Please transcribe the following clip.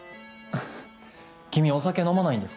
フッ君お酒飲まないんですか？